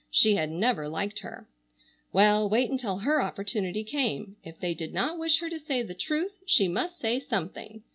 She had never liked her. Well, wait until her opportunity came. If they did not wish her to say the truth she must say something.